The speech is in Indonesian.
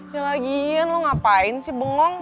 yah lagi lain lu ngapain sih bengong